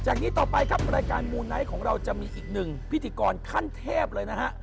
นี้ต่อไปครับรายการมูไนท์ของเราจะมีอีกหนึ่งพิธีกรขั้นเทพเลยนะฮะ